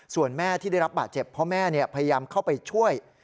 ส่วนแม่ที่ได้รับบาดเจ็บเพราะแม่พยายามเข้าไปช่วย